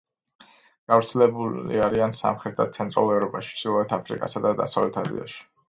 გავრცელებული არიან სამხრეთ და ცენტრალურ ევროპაში, ჩრდილოეთ აფრიკასა და დასავლთ აზიაში.